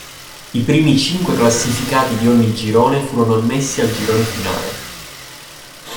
I primi cinque classificati di ogni girone furono ammessi al girone finale.